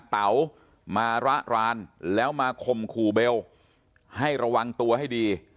เต๋ามาระรานแล้วมาข่มขู่เบลให้ระวังตัวให้ดี